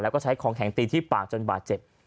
แล้วก็ใช้ของแข็งตีที่ปากจนบาดเจ็บ